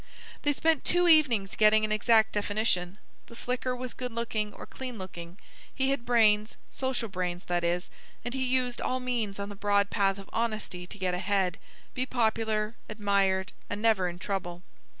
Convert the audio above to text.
They spent two evenings getting an exact definition. The slicker was good looking or clean looking; he had brains, social brains, that is, and he used all means on the broad path of honesty to get ahead, be popular, admired, and never in trouble.